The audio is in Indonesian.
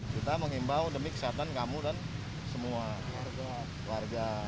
kita mengimbau demi kesehatan kamu dan semua warga